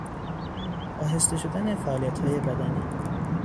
آهسته شدن فعالیتهای بدنی